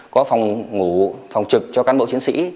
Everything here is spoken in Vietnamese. có phòng ngủ phòng trực cho cán bộ chiến sĩ